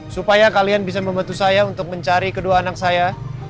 supaya kalian bisa membantu saya untuk mencari kedua anak saya